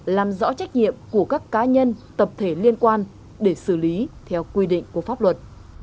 làm rõ trách nhiệm của các cá nhân tập thể liên quan để xử lý theo quy định của pháp luật